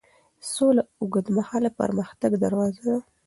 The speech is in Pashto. سوله د اوږدمهاله پرمختګ دروازه ده.